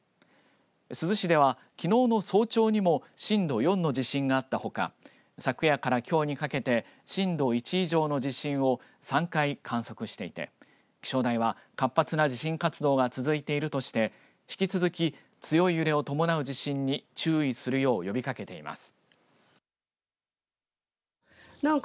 珠洲市では、きのうの早朝にも震度４の地震があったほか昨夜からきょうにかけて震度１以上の地震を３回観測していて気象台は活発な地震活動が続いているとして引き続き、強い揺れを伴う地震に注意するよう呼びかけています。